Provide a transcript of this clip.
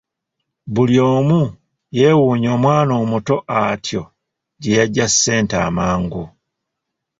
Buli omu yeewuunya omwana omuto atyo gye yaggya ssente amangu.